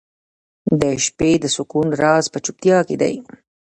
• د شپې د سکون راز په چوپتیا کې دی.